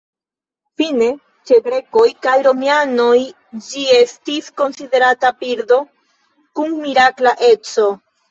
Fine, ĉe grekoj kaj romianoj ĝi estis konsiderata birdo kun mirakla eco.